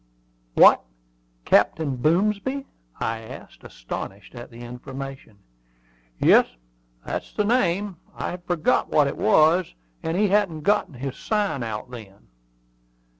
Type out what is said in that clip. "What, Captain Boomsby?" I asked, astonished at the information. "Yes, that's the name. I had forgotten what it was; and he hadn't got his sign out then."